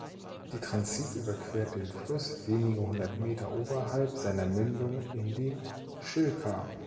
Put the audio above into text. Die Transsib überquert den Fluss wenige hundert Meter oberhalb seiner Mündung in die Schilka.